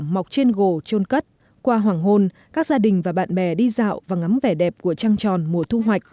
mọc trên gồ trôn cất qua hoàng hôn các gia đình và bạn bè đi dạo và ngắm vẻ đẹp của trăng tròn mùa thu hoạch